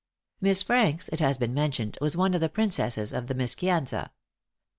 Miss Franks, it has been mentioned, was one of the princesses of the Mischianza.